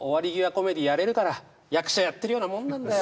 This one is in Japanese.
コメディーやれるから役者やってるようなもんなんだよ